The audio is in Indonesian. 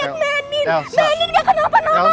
mbak andin gak kenapa kenapa kok